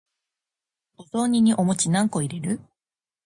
お雑煮にお餅何個入れる？